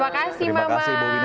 terima kasih mama